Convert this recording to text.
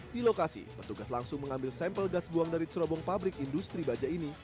di lokasi petugas langsung mengambil sampel gas buang dari cerobong pabrik industri baja ini